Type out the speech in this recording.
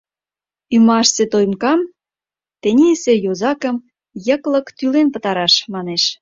Ӱмашсе тоимкам, тенийысе йозакым йыклык тӱлен пытараш, манеш.